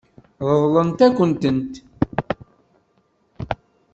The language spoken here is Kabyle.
Ṛeḍlen-akent-tent.